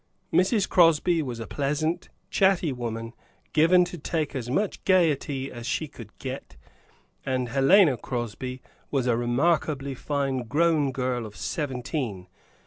Mrs. Crosby was a pleasant, chatty woman given to take as much gayety as she could get, and Helena Crosby was a remarkably fine grown girl of seventeen.